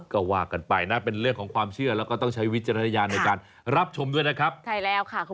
ก็ว่ากันไปนะเป็นเรื่องของความเชื่อแล้วก็ต้องใช้วิจารณญาณในการรับชมด้วยนะครับใช่แล้วค่ะคุณ